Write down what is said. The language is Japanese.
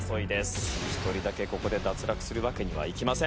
一人だけここで脱落するわけにはいきません。